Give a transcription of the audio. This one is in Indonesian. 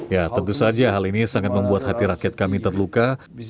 ya tentu saja hal ini sangat membuat hati rakyat kami terluka